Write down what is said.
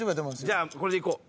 じゃあこれでいこう。